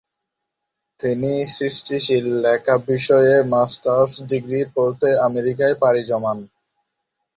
তিনি সৃষ্টিশীল লেখা বিষয়ে মাস্টার্স ডিগ্রি পড়তে আমেরিকায় পাড়ি জমান।